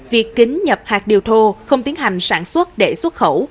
việc kính nhập hạt điều thô không tiến hành sản xuất để xuất khẩu